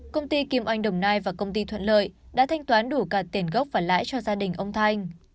công ty kim oanh đồng nai và công ty thuận lợi đã thanh toán đủ cả tiền gốc và lãi cho gia đình ông thanh